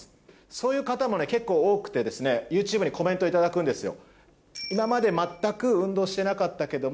そういう方も結構多くてＹｏｕＴｕｂｅにコメント頂くんですよ。